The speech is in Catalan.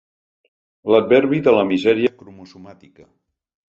L'adverbi de la misèria cromosomàtica.